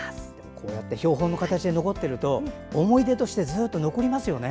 こうやって標本の形で残っていると思い出としてずっと残りますよね。